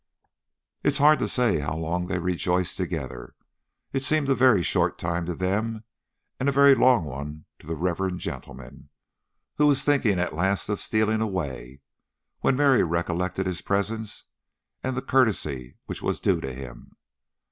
It is hard to say how long they rejoiced together. It seemed a very short time to them and a very long one to the reverend gentleman, who was thinking at last of stealing away, when Mary recollected his presence and the courtesy which was due to him.